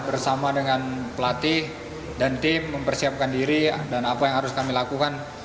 bersama dengan pelatih dan tim mempersiapkan diri dan apa yang harus kami lakukan